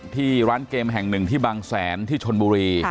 ที่ร้านเกมแห่งหนึ่งที่บางแสนที่ชนบุรี